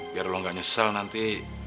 biar lo gak nyesel nanti